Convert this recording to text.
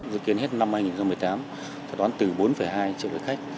dự kiến hết năm hai nghìn một mươi tám tôi đoán từ bốn hai triệu đợt khách